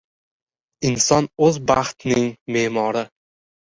• Inson — o‘z baxtining me’mori.